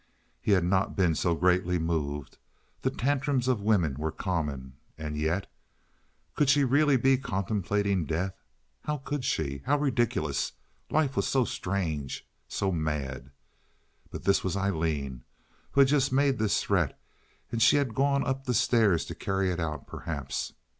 He had not been so greatly moved—the tantrums of women were common—and yet— Could she really be contemplating death? How could she? How ridiculous! Life was so strange, so mad. But this was Aileen who had just made this threat, and she had gone up the stairs to carry it out, perhaps.